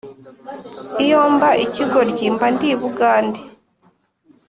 Iyo mba ikigoryi mba ndi i Bugande